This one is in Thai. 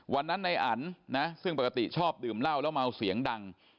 วันนั้นในอันนะซึ่งปกติชอบดื่มเหล้าแล้วเมาเสียงดัง